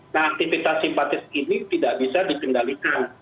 nah aktivitas simpatis ini tidak bisa dikendalikan